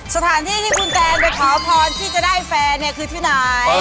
สถานที่ที่คุณแตนไปขอพรที่จะได้แฟนเนี่ยคือที่ไหน